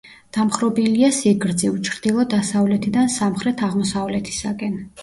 დამხრობილია სიგრძივ, ჩრდილო-დასავლეთიდან სამხრეთ-აღმოსავლეთისაკენ.